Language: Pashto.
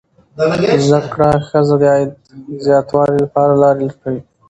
زده کړه ښځه د عاید زیاتوالي لپاره لارې لټوي.